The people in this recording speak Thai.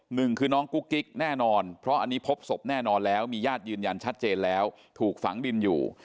หนึ่งคือน้องกุ๊กกิ๊กแน่นอนเพราะอันนี้พบศพแน่นอนแล้วมีญาติยืนยันชัดเจนแล้วถูกฝังดินอยู่